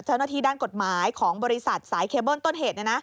เจ้าหน้าที่ด้านกฎหมายของบริษัทสายเคเบิ้ลต้นเหตุ